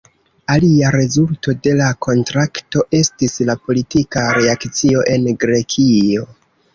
Alia rezulto de la kontrakto estis la politika reakcio en Grekio.